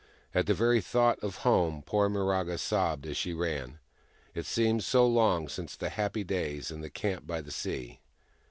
At the very thought of home, poor Miraga sobbed as she ran : it seemed so long since the happy days in the camp by the sea.